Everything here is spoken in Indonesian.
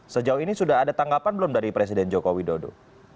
sejauh ini sudah ada tanggapan belum dari presiden joko widodo